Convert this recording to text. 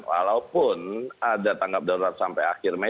walaupun ada tanggap darurat sampai akhir mei